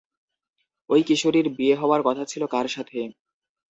ওই কিশোরীর বিয়ে হওয়ার কথা ছিল কার সাথে?